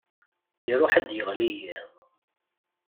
Iṛuḥ ad yeɣli yiḍ.